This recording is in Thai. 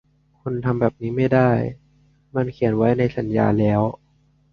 คุณทำแบบนี้ไม่ได้ มันเขียนไว้ในสัญญาแล้ว